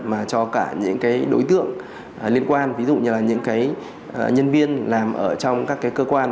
mà cho cả những cái đối tượng liên quan ví dụ như là những cái nhân viên làm ở trong các cơ quan